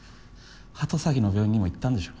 鳩崎の病院にも行ったんでしょ？